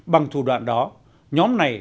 bằng thủ đoạn đó nhóm này